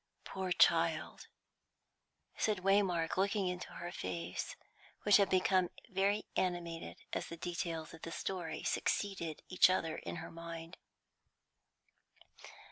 "Poor child!" said Waymark, looking into her face, which had become very animated as the details of the story succeeded each other in her mind.